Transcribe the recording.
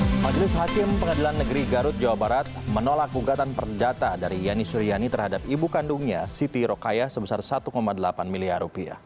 majelis hakim pengadilan negeri garut jawa barat menolak gugatan perdata dari yani suryani terhadap ibu kandungnya siti rokayah sebesar rp satu delapan miliar